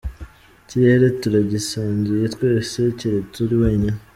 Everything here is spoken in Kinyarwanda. Ikirere turagisangiye twese keretse uri wenyine.